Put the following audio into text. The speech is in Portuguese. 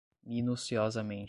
minuciosamente